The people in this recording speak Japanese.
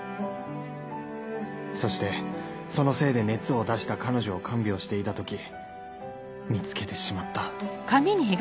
そしてそのせいで熱を出した彼女を看病していた時見つけてしまった